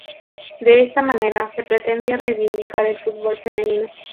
De esta manera, se pretendía reivindicar el fútbol femenino.